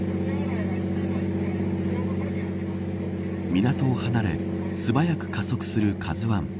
港を離れ素早く加速するＫＡＺＵ１。